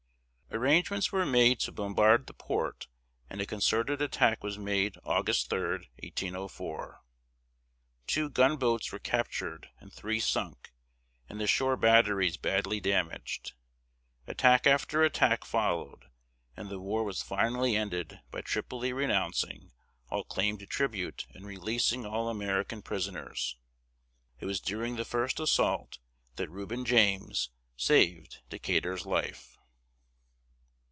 Arrangements were made to bombard the port and a concerted attack was made August 3, 1804. Two gunboats were captured and three sunk, and the shore batteries badly damaged. Attack after attack followed, and the war was finally ended by Tripoli renouncing all claim to tribute and releasing all American prisoners. It was during the first assault that Reuben James saved Decatur's life.